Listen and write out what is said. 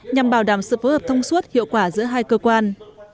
nhằm bảo đảm sự phối hợp thông suốt hiệu quả giữa hai cơ quan